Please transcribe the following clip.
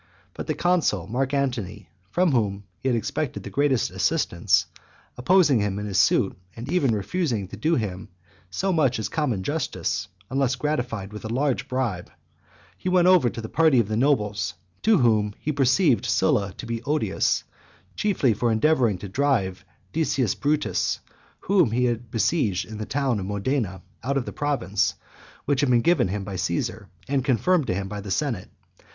But the consul, Mark Antony, from whom he had expected the greatest assistance, opposing him in his suit, and even refusing to do him so much as common justice, unless gratified with a large bribe, he went over to the party of the nobles, to whom he perceived Sylla to be odious, chiefly for endeavouring to drive Decius Brutus, whom he besieged in the town of Modena, out of the province, which had been given him by Caesar, and confirmed to him by the senate.